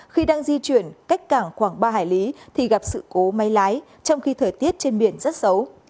khi đang di chuyển cách cảng khoảng ba hải lý thì gặp sự cố máy lái trong khi thời tiết trên biển rất xấu